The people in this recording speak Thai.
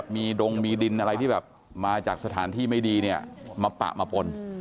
มีดงมีดินอะไรที่มาจากสถานที่ไม่ดีมาปะมาปล่น